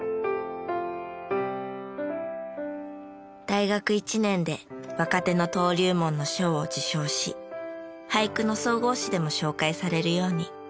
大学１年で若手の登竜門の賞を受賞し俳句の総合誌でも紹介されるように。